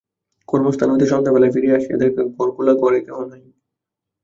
কর্মস্থান হইতে সন্ধ্যাবেলায় ফিরিয়া আসিয়া দেখে ঘর খোলা, ঘরে কেহ নাই।